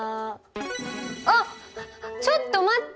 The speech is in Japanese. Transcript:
あっちょっと待って！